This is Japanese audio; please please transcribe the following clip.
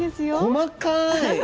細かい！